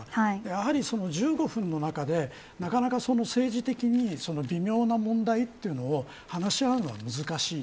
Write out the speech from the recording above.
やはりその１５分の中でなかなか政治的に微妙な問題というのを話し合うのは難しい。